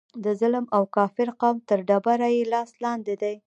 د ظلم او کافر قوم تر ډبره یې لاس لاندې دی.